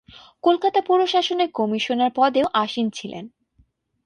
কলকাতা পৌর শাসনের কমিশনার পদেও আসীন ছিলেন।